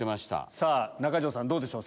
さぁ中条さんどうでしょう？